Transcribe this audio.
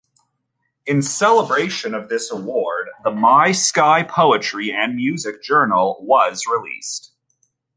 In celebration of this award the My Sky Poetry and Music Journal was released.